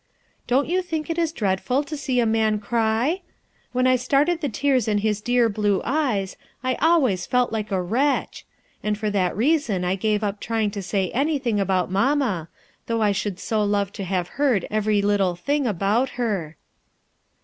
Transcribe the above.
Don't you think it is dreadful to see a man cry? When I started the tears in bis dear blue eyes, I always felt like a wretch ! and for that reason I gave up trying to say anything about mamma, though I should so love to have heard every liulo thing about her.